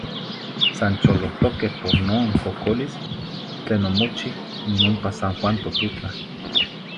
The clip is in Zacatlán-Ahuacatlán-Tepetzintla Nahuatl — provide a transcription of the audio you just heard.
San cholohtoqueh por non cocolis tlen omochih n ompa San Juan Totutla.